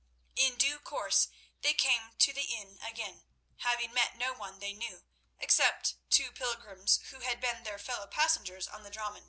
In due course they came to the inn again, having met no one whom they knew, except two pilgrims who had been their fellow passengers on the dromon.